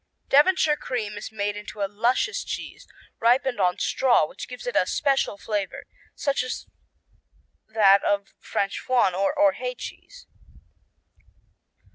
Devonshire cream is made into a luscious cheese ripened on straw, which gives it a special flavor, such as that of French Foin or Hay cheese.